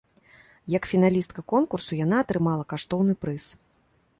Як фіналістка конкурсу яна атрымала каштоўны прыз.